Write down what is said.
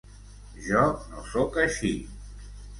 Jo no sóc així.